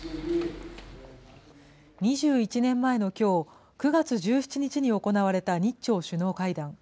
２１年前のきょう９月１７日に行われた日朝首脳会談。